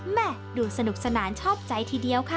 ดูสนุกสนานชอบใจทีเดียวค่ะ